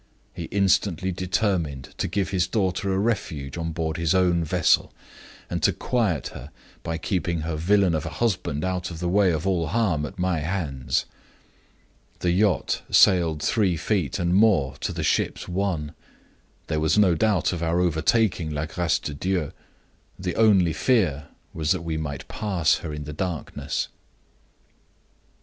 He instantly determined to give his daughter a refuge on board his own vessel, and to quiet her by keeping her villain of a husband out of the way of all harm at my hands. The yacht sailed three feet and more to the ship's one. There was no doubt of our overtaking La Grace de Dieu; the only fear was that we might pass her in the darkness.